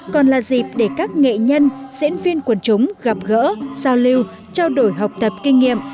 còn là dịp để các nghệ nhân diễn viên quần chúng gặp gỡ giao lưu trao đổi học tập kinh nghiệm